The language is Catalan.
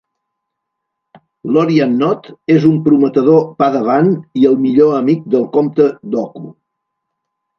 Lorian Nod és un prometedor padawan i el millor amic del comte Dooku.